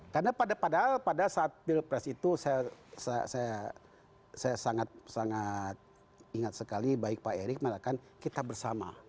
karena padahal pada saat pilpres itu saya sangat ingat sekali baik pak erick kita bersama